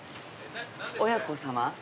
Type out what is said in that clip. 親子さま？